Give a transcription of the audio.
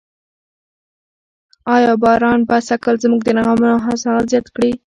آیا باران به سږکال زموږ د غنمو حاصلات زیات کړي؟